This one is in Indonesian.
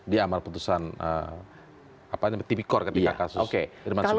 di amal amal keputusan tipikor ketika kasus irman sugiharto